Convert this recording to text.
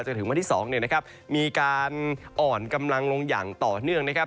จนถึงวันที่๒เนี่ยนะครับมีการอ่อนกำลังลงอย่างต่อเนื่องนะครับ